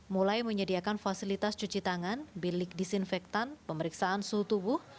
mulai menyediakan fasilitas cuci tangan bilik disinfektan pemeriksaan suhu tubuh